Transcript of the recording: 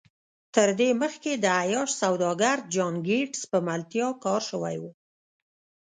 تر دې مخکې د عياش سوداګر جان ګيټس په ملتيا کار شوی و.